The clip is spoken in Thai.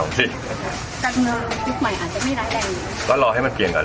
คนที่เขารอให้กำลังแจรักขอให้